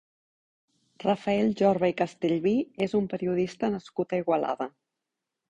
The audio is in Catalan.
Rafael Jorba i Castellví és un periodista nascut a Igualada.